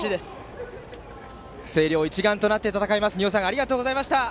星稜、一丸となって戦います、におうさんありがとうございました。